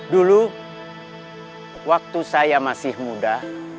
dulu waktu saya masih muda